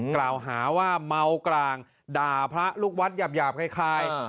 กล่าวหาว่าเมากรางด่าพระลูกวัดหยาบคล้าย